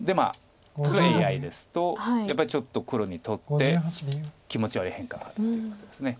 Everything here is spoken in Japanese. でＡＩですとやっぱりちょっと黒にとって気持ち悪い変化があるっていうことです。